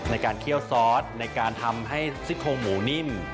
เคี่ยวซอสในการทำให้ซิกโคหมูนิ่ม